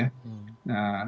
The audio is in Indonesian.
nah gitu ya